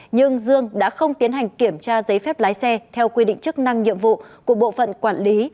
nhưng dương đã không tiến hành kiểm tra giấy phép lái xe theo quy định chức năng nhiệm vụ của bộ phận quản lý